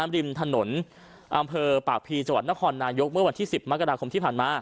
ริมถนนอำเภอปากพีจังหวัดนครนายกเมื่อวันที่๑๐มกราคมที่ผ่านมา